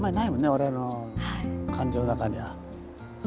我々の感情の中には。